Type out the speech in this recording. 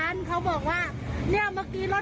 หนูก็บอกว่าเฮียไบ๊มาดูข้างนอก